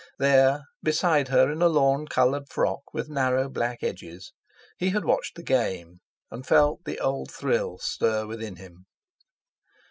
There, beside her in a lawn coloured frock with narrow black edges, he had watched the game, and felt the old thrill stir within him.